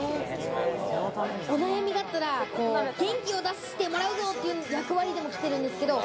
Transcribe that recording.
お悩みがあったら元気を出してもらうぞ！という役割でも来てるんですけれども。